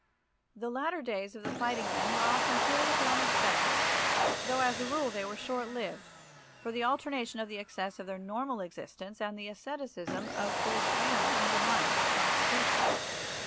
The latter days of the fighting men were often curious and unexpected, though as a rule they were short lived, for the alternation of the excess of their normal existence and the asceticism of their training undermined their constitution.